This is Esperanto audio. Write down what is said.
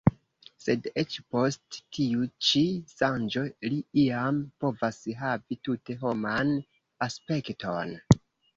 Sed eĉ post tiu ĉi ŝanĝo li iam povas havi tute homan aspekton.